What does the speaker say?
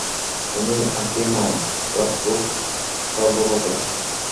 তুমি আঁখি মম, তব রূপ সর্ব ঘটে।